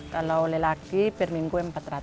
kalau lelaki per minggu empat ratus